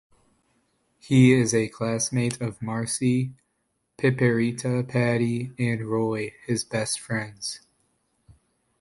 He is a classmate of Marcie, Piperita Patty, and Roy, his best friends.